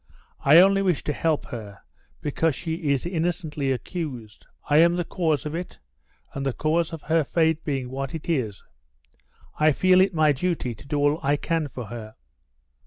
I only wish to help her, because she is innocently accused. I am the cause of it and the cause of her fate being what it is. I feel it my duty to do all I can for her."